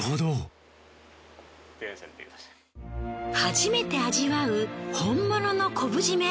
初めて味わう本物の昆布締め。